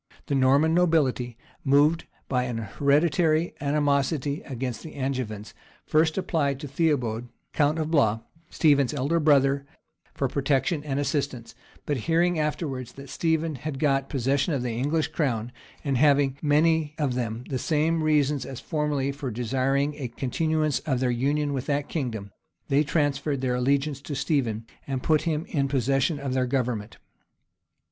The Norman nobility, moved by an hereditary animosity against the Angevins, first applied to Theobold, count of Blois, Stephen's elder brother for protection and assistance; but hearing afterwards that Stephen had got possession of the English crown, and having, many of them, the same reasons as formerly for desiring a continuance of their union with that kingdom, they transferred their allegiance to Stephen, and put him in possession of their government.